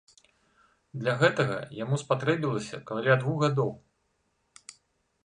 Для гэтага яму спатрэбілася каля двух гадоў.